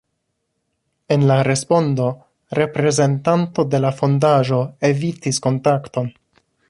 En la respondo reprezentanto de la fondaĵo evitis kontakton.